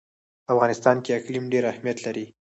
په افغانستان کې اقلیم ډېر اهمیت لري.